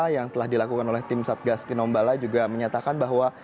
yang telah dilakukan oleh tim satgas tinombala juga menyatakan bahwa